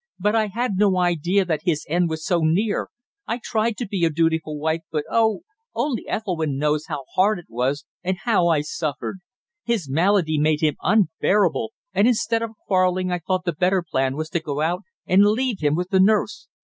"But I had no idea that his end was so near. I tried to be a dutiful wife, but oh only Ethelwynn knows how hard it was, and how I suffered. His malady made him unbearable, and instead of quarrelling I thought the better plan was to go out and leave him with the nurse.